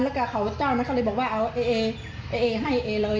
แล้วก็เขาเจ้านั้นเขาเลยบอกว่าเอาเอให้เอเลย